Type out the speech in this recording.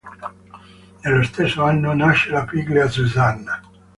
Nello stesso anno nasce la figlia Susanna.